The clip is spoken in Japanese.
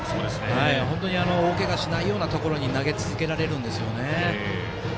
本当に大けがをしないところに投げ続けられるんですね。